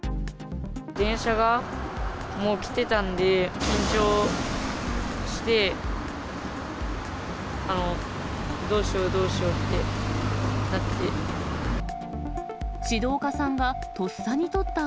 電車がもう来てたんで、緊張して、どうしよう、どうしようってなって。